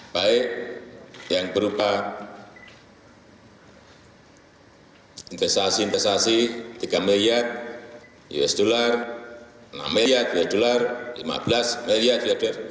baik yang berupa investasi investasi tiga miliar usd enam miliar usd lima belas miliar usd